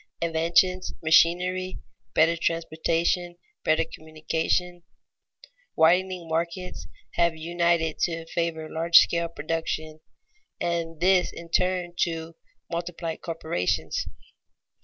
_ Inventions, machinery, better transportation, better communication, widening markets, have united to favor large scale production, and this in turn to multiply corporations.